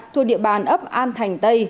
thuộc địa bàn ấp an thành tây